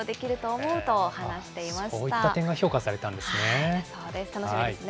そういった点が評価されたんですね。